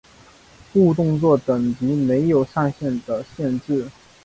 误动作等级没有上限的限制。